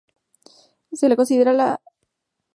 Se la considera la "antesala de las políticas de tiempo".